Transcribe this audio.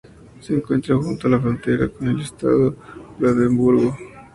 Se encuentra junto a la frontera con el estado de Brandeburgo.